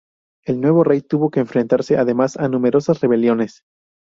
El nuevo rey tuvo que enfrentarse además a numerosas rebeliones.